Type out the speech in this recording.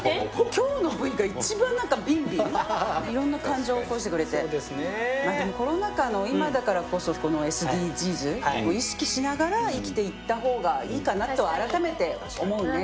今日のＶが一番何かびんびん色んな感情起こしてくれてそうですねまあでもコロナ禍の今だからこそこのＳＤＧｓ意識しながら生きていった方がいいかなとは改めて思うね